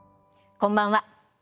こんばんは。